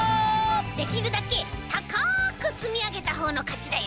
できるだけたかくつみあげたほうのかちだよ。